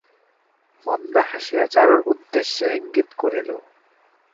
মন্দা হাসিয়া চারুর উদ্দেশে ইঙ্গিত করিল।